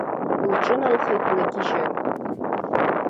Лҿыналхеит днагьежьын.